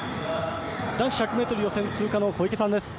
男子１００ｍ予選通過の小池選手です。